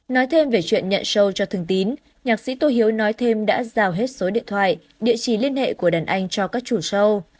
nói thêm về chuyện nhận sâu cho thường tín nhạc sĩ tô hiếu nói thêm đã giao hết số điện thoại địa chỉ liên hệ của đàn anh cho các chủ show